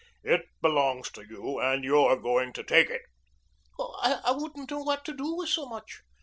"It belongs to you and you're going to take it." "I wouldn't know what to do with so much."